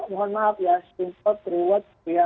mohon maaf ya sumpot ruwet